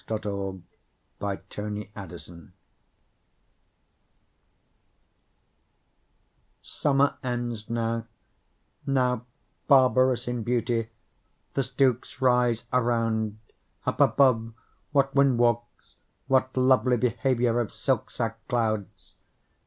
14 Hurrahing in Harvest SUMMER ends now; now, barbarous in beauty, the stooks rise Around; up above, what wind walks! what lovely behaviour Of silk sack clouds!